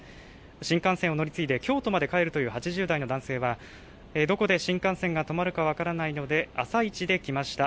新幹線を乗り継いで、京都まで帰るという８０代の男性は、どこで新幹線が止まるか分からないので、朝いちで来ました。